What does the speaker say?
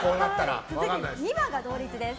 続いて、２番は同率です。